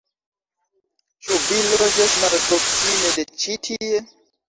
Ĉu vi loĝas malproksime de ĉi tie?